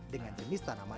dengan jenis tanaman